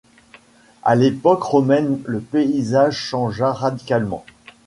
À l'époque romaine le paysage changea radicalement.